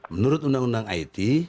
menurut undang undang it